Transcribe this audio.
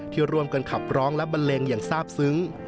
ที่ร่วมกันขับร้องและบันเลงอย่างทราบซึ้ง